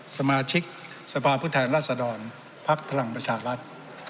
สมาชิกสภาพุทธแทนรัศดรพรรคพลังประชาลัศน์